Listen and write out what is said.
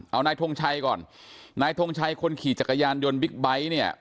เอานายทงชัยก่อนนายทงชัยคนขี่จักรยานยนต์บิ๊กไบท์เนี่ย